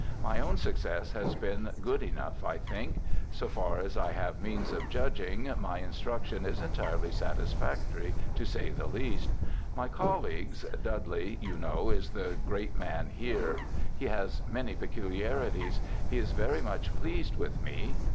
My own success has been good enough, I think. So far as I have means of judging, my instruction is entirely satisfactory, to say the least. My colleagues— Dudley, you know, is the great man here. He has many peculiarities. He is very much pleased with me.